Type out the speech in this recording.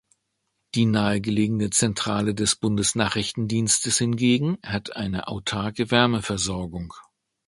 Die nahegelegene Zentrale des Bundesnachrichtendienstes hingegen hat eine autarke Wärmeversorgung.